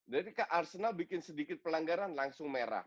jadi kalau arsenal bikin sedikit pelanggaran langsung merah